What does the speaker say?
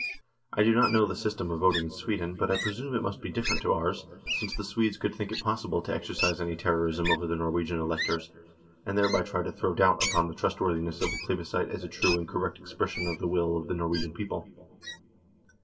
I do not know the system of voting in Sweden, but I presume it must be dif ferent to ours, since the Swedes could think it pos sible to exercise any terrorism over the Norwegian electors, and thereby try to throw doubt upon the trustworthiness of fo& plebiscite as a true and correct expression of the will of the Norwegian people.